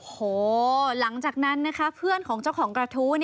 โอ้โหหลังจากนั้นนะคะเพื่อนของเจ้าของกระทู้